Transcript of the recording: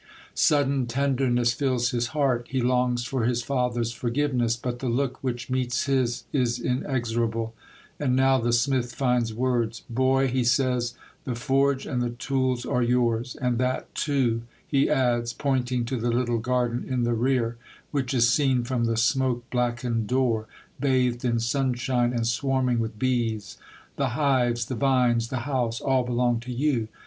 Sudden tenderness fills his heart. He longs for his father's forgiveness, but the look which meets his is inexorable. And now the smith finds words. " Boy," he says, " the forge and the tools are yours. And that too," he adds, pointing to the little garden in the rear, which is seen from the smoke blackened door, bathed in sunshine, and swarming with bees. " The hives, the vines, the house, all belong to you.